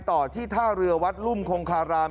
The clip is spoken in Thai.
ต่อที่ท่าเรือวัดรุ่มคงคาราม